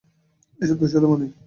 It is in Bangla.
এসব তোর সাথেই মানায়।